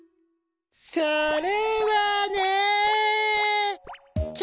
それはね。